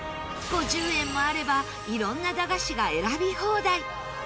５０円もあれば色んな駄菓子が選び放題。